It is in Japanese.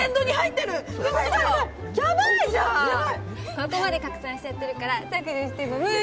ここまで拡散しちゃってるから削除しても無理！